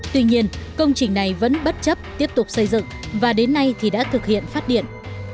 tuy nhiên công trình này vẫn bất chấp tiếp tục xây dựng và đến nay thì đã thực hiện phát điện